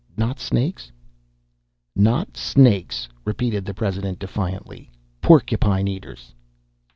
Not snakes?" "Not snakes!" repeated the president defiantly. "Porcupine eaters!"